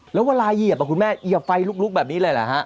แล้วเวลาเหยียบคุณแม่เหยียบไฟลุกแบบนี้เลยเหรอฮะ